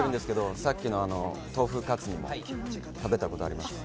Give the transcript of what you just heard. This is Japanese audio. さっきのカツも食べたことあります。